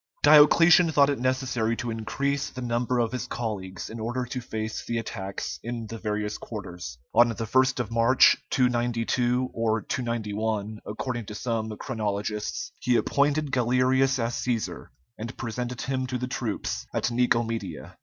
Diocletian thought it necessary to increase the number of his colleagues in order to face the attacks in the various quarters. On the 1st of March, 292, or 291, according to some chronologists, he appointed Galerius as Cæsar, and presented him to the troops at Nicomedia.